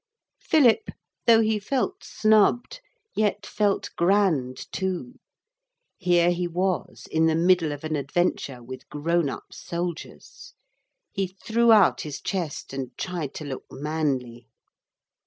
Philip, though he felt snubbed, yet felt grand too. Here he was in the middle of an adventure with grown up soldiers. He threw out his chest and tried to look manly.